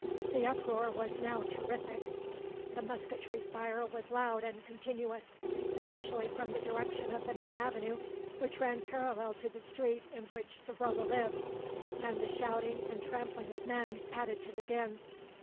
The uproar was now terrific. The musketry fire was loud and continuous, especially from the direction of the main avenue which ran parallel to the street in which Savrola lived, and the shouting and trampling of men added to the din.